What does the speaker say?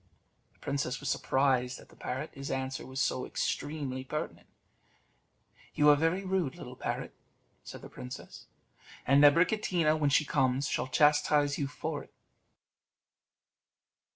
The princess was surprised at the parrot, his answer was so extremely pertinent: "You are very rude, little parrot," said the princess; "and Abricotina, when she comes, shall chastise you for it."